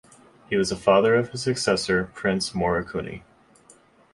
He was the father of his successor, Prince Morikuni.